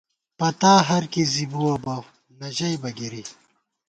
پتا ہر کِی زی بُوَہ بہ ، نہ ژَئیبہ گِرِی